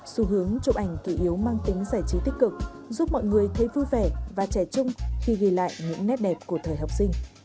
xu hướng chụp ảnh chủ yếu mang tính giải trí tích cực giúp mọi người thấy vui vẻ và trẻ chung khi ghi lại những nét đẹp của thời học sinh